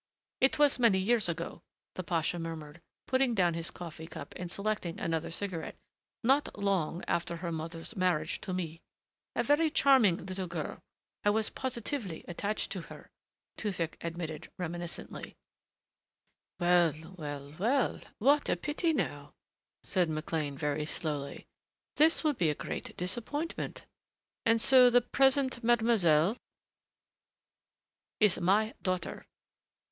"It was many years ago," the pasha murmured, putting down his coffee cup and selecting another cigarette. "Not long after her mother's marriage to me.... A very charming little girl I was positively attached to her," Tewfick added reminiscently. "Well, well, well, what a pity now," said McLean very slowly. "This will be a great disappointment.... And so the present mademoiselle " "Is my daughter."